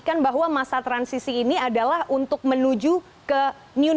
kita juga laksanakan semua timur bnpb untuk memperbaiki ter ui